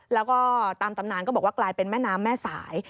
แล้วก็ตามตำนานก็บอกว่ากลายเป็นแม่น้ำแม่สาย